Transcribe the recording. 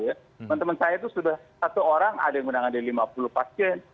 teman teman saya itu sudah satu orang ada yang menangani lima puluh pasien